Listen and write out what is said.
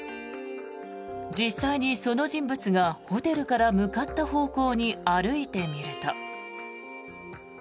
実際にその人物がホテルから向かった方向に歩いてみると。